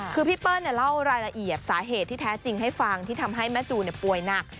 คือพี่เปิ้ลเล่ารายละเอียดสาเหตุที่แท้จริงให้ฟังที่ทำให้แม่จูนป่วยหนัก